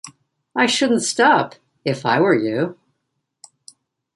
I shouldn't stop, if I were you.